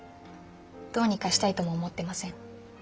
どうにかしたいとも思ってません。